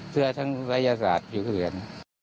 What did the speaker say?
เสือทั้งภัยยชาติอยู่คือเอง